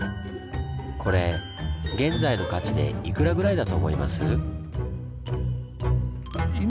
これ現在の価値でいくらぐらいだと思います？